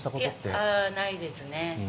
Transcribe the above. いえ、ないですね。